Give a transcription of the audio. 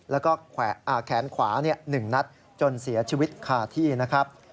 แล้วก็แขนขวา๑นัดจนเสียชีวิตคาที่นะครับ